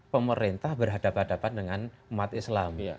pemerintah berhadapan hadapan dengan umat islam